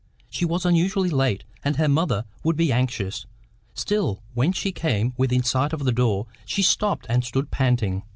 She was unusually late, and her mother would be anxious. Still, when she came within sight of the door, she stopped and stood panting.